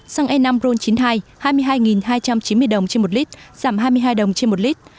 xăng e năm ron chín mươi hai hai mươi hai hai trăm chín mươi đồng trên một lít giảm hai mươi hai đồng trên một lít